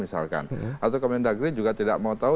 atau kementerian negeri juga tidak mau tahu